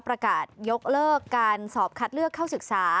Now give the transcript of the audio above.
ประกาศยกเลิกการสอบคัดเลือกเข้าศึกษา